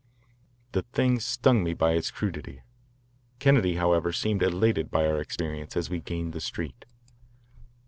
The thing stung me by its crudity. Kennedy, however, seemed elated by our experience as we gained the street.